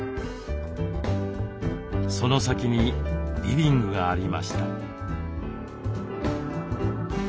その先にリビングがありました。